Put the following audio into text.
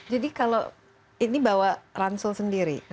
jadi kalau ini bawa ransel sendiri